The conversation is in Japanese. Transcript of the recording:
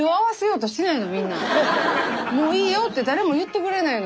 「もういいよ」って誰も言ってくれないの。